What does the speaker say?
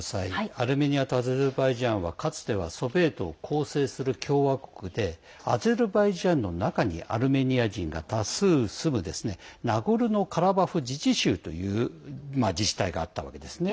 アルメニアとアゼルバイジャンはかつてはソビエトを構成する共和国でアゼルバイジャンの中にアルメニア人が多数住むナゴルノカラバフ自治州が自治体があったわけですね。